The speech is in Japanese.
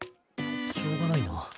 しょうがないな。